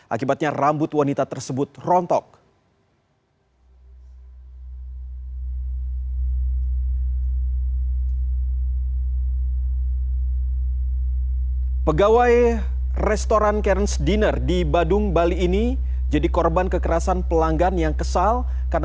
akibatnya rambut wanita tersebut rontok